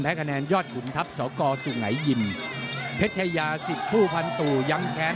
คะแนนยอดขุนทัพสกสุงัยยิมเพชรยาสิบผู้พันตู่ยังแค้น